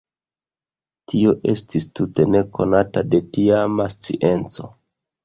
Tio estis tute nekonata de tiama scienco.